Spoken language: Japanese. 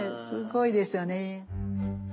すごいですよね。